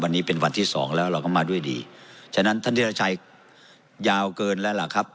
วันนี้เป็นวันที่สองแล้วเราก็มาด้วยดีฉะนั้นท่านธิรชัยยาวเกินแล้วล่ะครับ